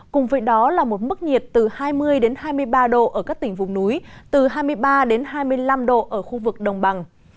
cùng với đó là một mức nhiệt từ hai mươi hai mươi ba độ ở các tỉnh vùng núi từ hai mươi ba hai mươi năm độ ở khu vực đồng bằng